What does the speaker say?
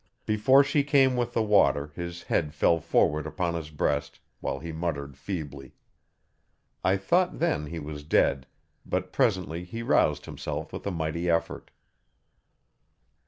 Before she came with the water his head fell forward upon his breast, while he muttered feebly. I thought then he was dead, but presently he roused himself with a mighty effort.